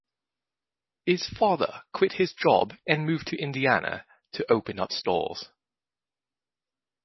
His father quit his job and moved to Indiana to open up stores.